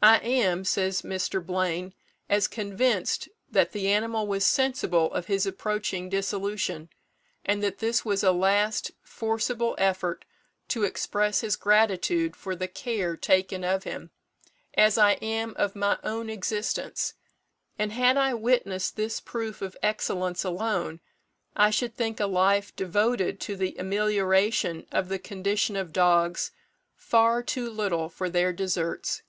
"I am," says Mr. Blaine, "as convinced that the animal was sensible of his approaching dissolution, and that this was a last forcible effort to express his gratitude for the care taken of him, as I am of my own existence; and had I witnessed this proof of excellence alone, I should think a life devoted to the amelioration of the condition of dogs far too little for their deserts."